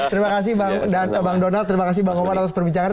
terima kasih bang donald terima kasih bang oman atas perbincangan